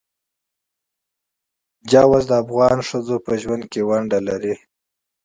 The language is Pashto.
چار مغز د افغان ښځو په ژوند کې رول لري.